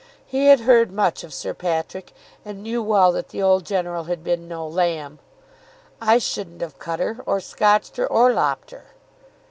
He had heard much of Sir Patrick, and knew well that the old general had been no lamb. "I shouldn't have cut her, or scotched her, or lopped her."